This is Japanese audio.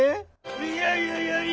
いやいやいやいや。